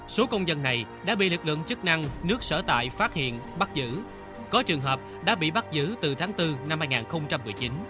số công dân này đã bị lực lượng chức năng nước sở tại phát hiện bắt giữ có trường hợp đã bị bắt giữ từ tháng bốn năm hai nghìn một mươi chín